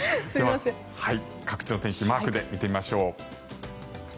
各地の天気マークで見てみましょう。